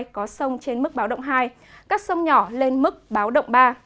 có sông trên mức báo động hai các sông nhỏ lên mức báo động ba